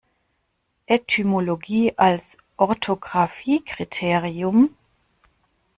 Etymologie als Orthographiekriterium?